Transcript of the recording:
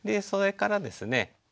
それからですね